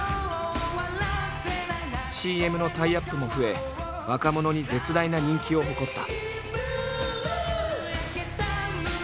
ＣＭのタイアップも増え若者に絶大な人気を誇った。